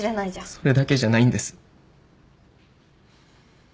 それだけじゃないんです。